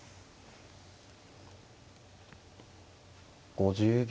５０秒。